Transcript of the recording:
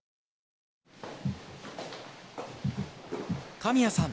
神谷さん